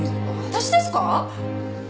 私ですか？